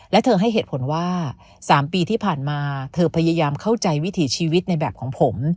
และเธอให้เหตุผลว่า๓ปีที่ผ่านมาเธอพยายามเข้าใจวิถีชีวิตในแบบของผม